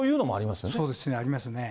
そうですね、ありますね。